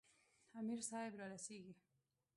امیر صاحب را رسیږي.